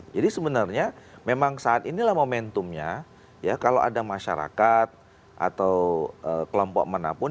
jadi sebenarnya memang saat inilah momentumnya ya kalau ada masyarakat atau kelompok manapun